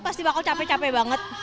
pasti bakal capek capek banget